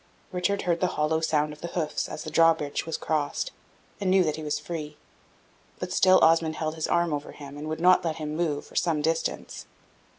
Richard heard the hollow sound of the hoofs, as the drawbridge was crossed, and knew that he was free; but still Osmond held his arm over him, and would not let him move, for some distance.